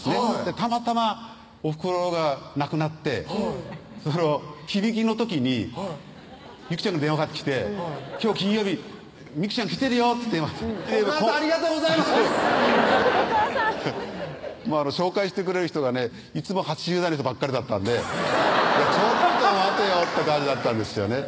たまたまおふくろが亡くなって忌引の時にユキちゃんから電話かかってきて「今日金曜日美紀ちゃん来てるよ」って電話来たお母さんありがとうございますお母さん紹介してくれる人がねいつも８０代の人ばっかりだったんでちょっと待てよって感じだったんですよね